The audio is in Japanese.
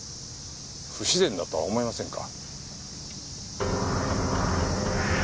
不自然だとは思いませんか？